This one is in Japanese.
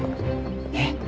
えっ？